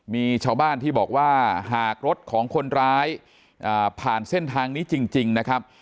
มีชาวบ้านที่บอกว่าหากรถของคนร้ายผ่านเส้นทางนี้จริงนะครับ